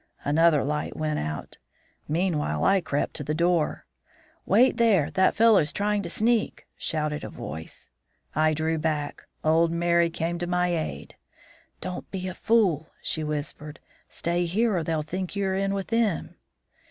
"Another light went out. "Meanwhile I had crept to the door. "''Ware there! that fellow's trying to sneak,' shouted a voice. "I drew back. Old Merry came to my aid. "'Don't be a fool,' she whispered. 'Stay here or they'll think you're in with them!'